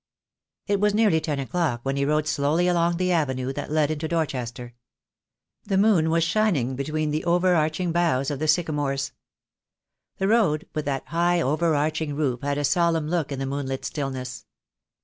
It was nearly ten o'clock when he rode slowly along the avenue that led into Dorchester. The moon was shining between the overarching boughs of the sycamores. The road with that high overarching roof had a solemn look in the moonlit stillness.